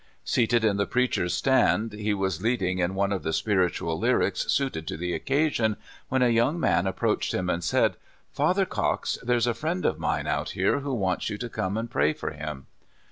Seated in the preachers' stand, he was leading in one of the spirited lyrics suited to the occasion, when a young man approached him and said —" Father Cox, there 's a friend of mine out here who wants you to come and pray for him."